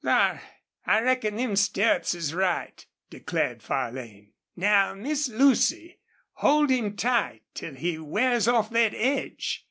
"Thar, I reckon them stirrups is right," declared Farlane. "Now, Miss Lucy, hold him tight till he wears off thet edge.